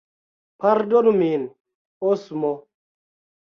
Pardonu min, Osmo!